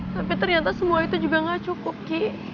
tapi ternyata semua itu juga gak cukup ki